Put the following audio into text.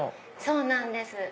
そうなんです。